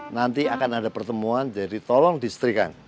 nanti akan ada pertemuan jadi tolong disetrikan